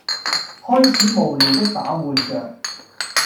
開始無聊的把玩着